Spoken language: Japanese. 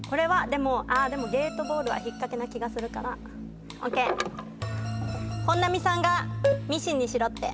「でもゲートボールは引っ掛けな気がするからＯＫ」「本並さんがミシンにしろって」ＯＫ。